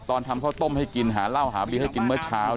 ทำข้าวต้มให้กินหาเหล้าหาบีให้กินเมื่อเช้า